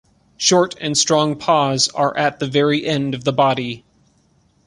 Short and strong paws are at the very end of the body.